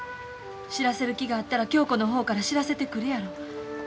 知らせる気があったら恭子の方から知らせてくるやろ。